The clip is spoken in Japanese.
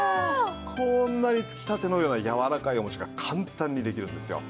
こんなにつきたてのようなやわらかいおもちが簡単にできるんですよ。